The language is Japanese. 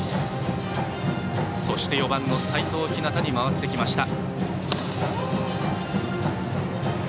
そして４番の齋藤陽に回ってきました。